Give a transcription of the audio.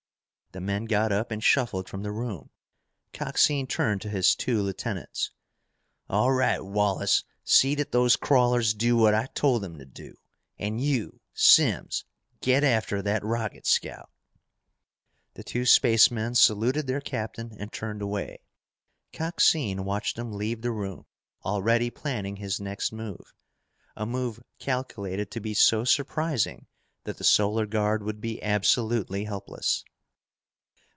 The men got up and shuffled from the room. Coxine turned to his two lieutenants. "All right, Wallace, see that those crawlers do what I told them to do. And you, Simms, get after that rocket scout." The two spacemen saluted their captain and turned away. Coxine watched them leave the room, already planning his next move, a move calculated to be so surprising that the Solar Guard would be absolutely helpless.